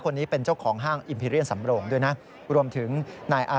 กรณีนี้ทางด้านของประธานกรกฎาได้ออกมาพูดแล้ว